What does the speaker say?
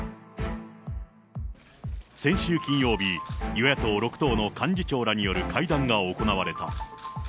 先週金曜日、与野党６党の幹事長らによる会談が行われた。